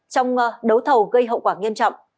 trong đấu thẩu gây hậu quả nghiêm trọng